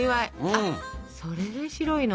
あっそれで白いの？